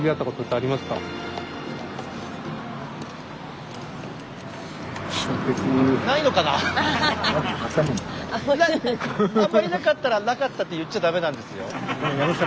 あんまりなかったら「なかった」って言っちゃ駄目なんですよ。